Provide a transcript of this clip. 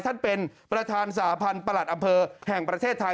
ท่านประธานสาพันธ์ประหลัดอำเภอแห่งประเทศไทย